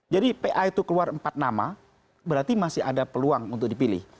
jadi pa itu keluar empat nama berarti masih ada peluang untuk dipilih